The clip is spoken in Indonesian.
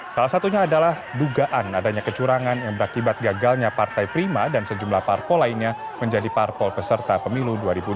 salah satunya adalah dugaan adanya kecurangan yang berakibat gagalnya partai prima dan sejumlah parpol lainnya menjadi parpol peserta pemilu dua ribu dua puluh